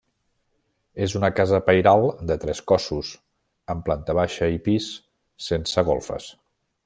És una casa pairal de tres cossos, amb planta baixa i pis, sense golfes.